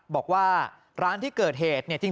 บอกว่าร้านที่เกิดเหตุเนี่ย